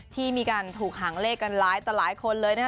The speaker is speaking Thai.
ที่มีการถูกหางเลขกันหลายต่อหลายคนเลยนะคะ